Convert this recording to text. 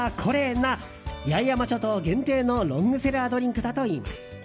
な八重山諸島限定のロングセラードリンクだといいます。